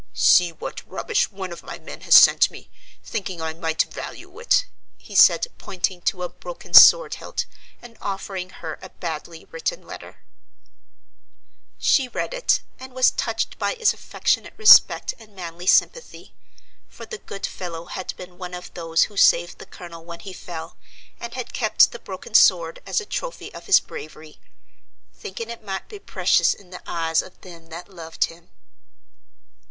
"See what rubbish one of my men has sent me, thinking I might value it," he said, pointing to a broken sword hilt and offering her a badly written letter. She read it, and was touched by its affectionate respect and manly sympathy; for the good fellow had been one of those who saved the Colonel when he fell, and had kept the broken sword as a trophy of his bravery, "thinking it might be precious in the eyes of them that loved him."